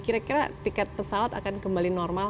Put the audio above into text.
kira kira tiket pesawat akan kembali normal